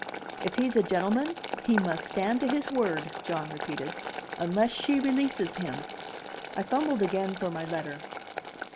"If he's a gentleman, he must stand to his word," John repeated, "unless she releases him." I fumbled again for my letter.